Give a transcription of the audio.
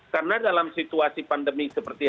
karena dalam situasi pandemi seperti